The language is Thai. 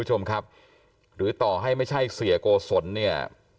ส่วนต้องรายได้กว่ามิเซีย